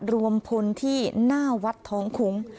รวมพลที่หน้าวัดท้องคุ้ง